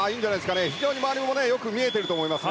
非常に周りも見えていると思います。